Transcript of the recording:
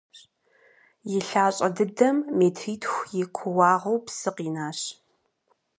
И лъащӀэ дыдэм метритху и куууагъыу псы къинащ.